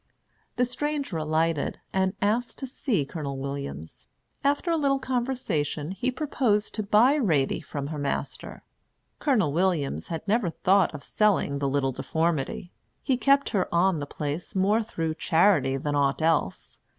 The stranger alighted and asked to see Colonel Williams. After a little conversation he proposed to buy Ratie from her master. Colonel Williams had never thought of selling the little deformity. He kept her on the place more through charity than aught else.